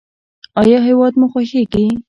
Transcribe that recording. ایا هیواد مو خوښیږي؟